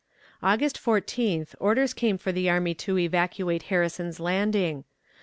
August fourteenth orders came for the army to evacuate Harrison's Landing.